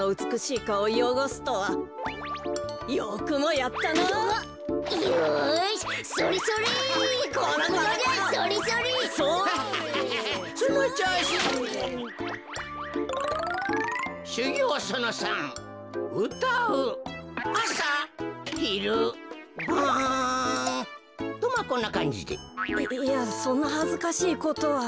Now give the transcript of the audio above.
いやそんなはずかしいことは。